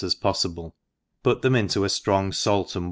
as poffible, put them into a ftrong fait and.